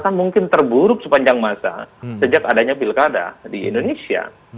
kan mungkin terburuk sepanjang masa sejak adanya pilkada di indonesia